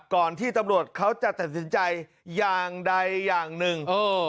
ก่อนที่ตำรวจเขาจะตัดสินใจอย่างใดอย่างหนึ่ง